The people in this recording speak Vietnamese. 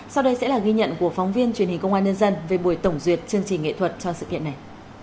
sau đây sẽ là ghi nhận của phóng viên truyền hình công an nhân dân về buổi tổng duyệt chương trình nghệ thuật cho sự kiện này